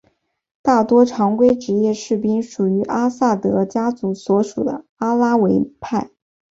大多常规职业士兵属于阿萨德家族所属的阿拉维派。